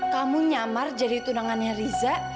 kamu nyamar jadi tunangannya riza